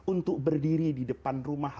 untuk berdiri di depan rumah